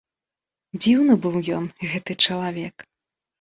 Дзіўны быў ён, гэты чалавек.